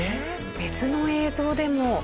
別の映像でも。